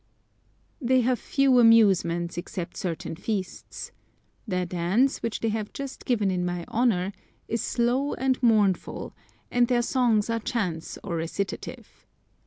They have few amusements, except certain feasts. Their dance, which they have just given in my honour, is slow and mournful, and their songs are chants or recitative.